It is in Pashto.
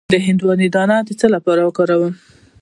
د هندواڼې دانه د څه لپاره وکاروم؟